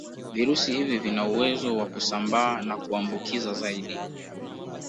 Virusi hivi vina uwezo wa kusambaa na kuambukiza zaidi